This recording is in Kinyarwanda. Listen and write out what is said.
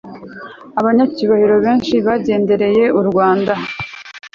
abanyacyubahiro benshi bagendereye u rwanda